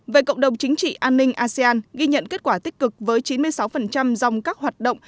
về cộng đồng chính trị an ninh asean ghi nhận kết quả tích cực với chín mươi sáu dòng các hoạt động